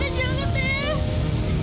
riana jangan iis